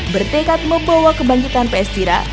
bertekad membawa kebangkitan ps tira